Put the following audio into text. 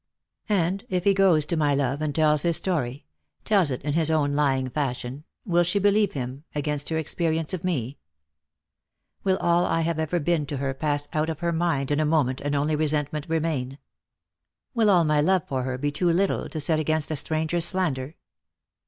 " And if he goes to my love, and tells his story — tells it in his own lying fashion — will she believe him, against her experience of me ? Will all I have ever been to her pass out of her mind in a moment, and only resentment remain ? Will all my love for her be too little to set against a stranger's slander